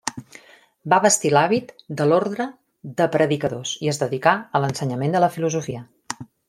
Va vestir l'hàbit de l'Orde de Predicadors i es dedicà a l'ensenyament de la filosofia.